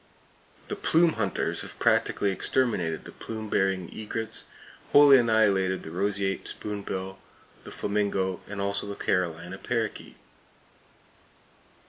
The "plume hunters" have practically exterminated the plume bearing egrets, wholly annihilated the roseate spoonbill, the flamingo, and also the Carolina parrakeet.